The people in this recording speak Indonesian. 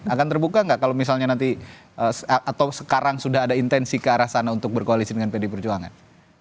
akan terbuka nggak kalau misalnya nanti atau sekarang sudah ada intensi ke arah sana untuk berkoalisi dengan pd perjuangan